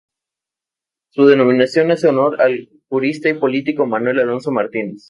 Su denominación hace honor al jurista y político Manuel Alonso Martínez.